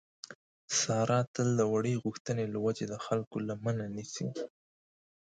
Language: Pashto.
ساره تل د وړې غوښتنې له وجې د خلکو لمنه نیسي.